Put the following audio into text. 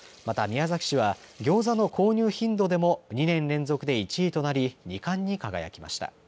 また宮崎市はギョーザの購入頻度でも２年連続で１位となり２冠に輝きました。